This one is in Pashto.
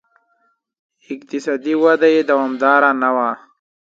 اقتصادي وده یې دوامداره نه وه.